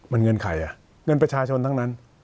มันเงินใครอ่ะเงินประชาชนทั้งนั้น